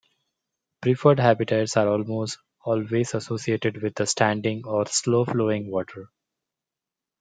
Preferred habitats are almost always associated with standing or slow-flowing water.